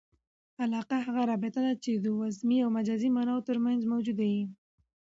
علاقه هغه رابطه ده، چي د وضمي او مجازي ماناوو ترمنځ موجوده يي.